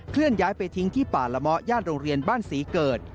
เลื่อนย้ายไปทิ้งที่ป่าละเมาะย่านโรงเรียนบ้านศรีเกิด